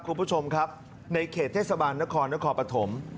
คุณผู้ชมครับในเขตเทศบาลนครนครปฐม